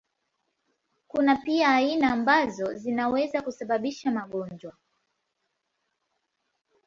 Kuna pia aina ambazo zinaweza kusababisha magonjwa.